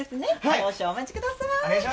少々お待ちください